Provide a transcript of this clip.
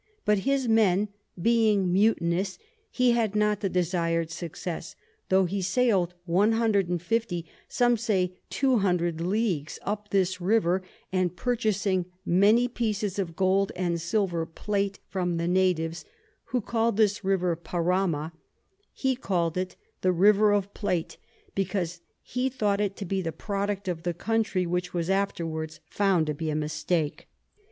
but his Men being mutinous, he had not the desir'd Success, tho he sail'd 150, some say 200 Leagues up this River; and purchasing many Pieces of Gold and Silver Plate from the Natives, who call'd this River Parama, he call'd it the River of Plate, because he thought it to be the Product of the Country, which was afterwards found to be a Mistake.